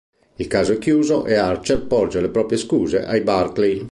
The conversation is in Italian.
Il caso è chiuso e Archer porge le proprie scuse ai Barkley.